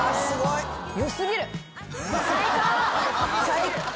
最高。